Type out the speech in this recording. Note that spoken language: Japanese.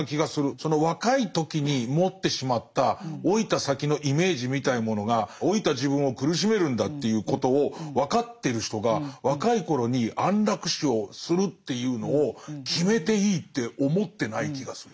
その若い時に持ってしまった老いた先のイメージみたいなものが老いた自分を苦しめるんだっていうことを分かってる人が若い頃に安楽死をするっていうのを決めていいって思ってない気がする。